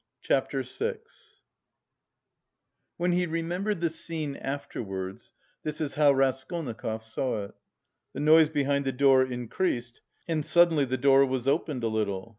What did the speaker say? CHAPTER VI When he remembered the scene afterwards, this is how Raskolnikov saw it. The noise behind the door increased, and suddenly the door was opened a little.